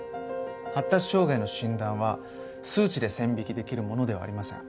発達障害の診断は数値で線引きできるものではありません。